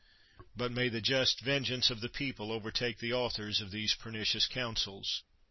But may the just vengeance of the people overtake the authors of these pernicious counsels!